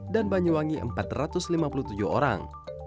dan banyuwangi empat ratus lima puluh tujuh orang